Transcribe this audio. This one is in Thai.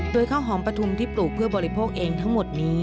โดยข้าวหอมปฐุมที่ปลูกเพื่อบริโภคเองทั้งหมดนี้